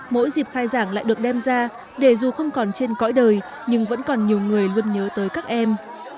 mỗi dịp khai giảng lại được đem ra để dù không còn trên cõi đời nhưng vẫn còn nhiều người luôn nhớ tới các em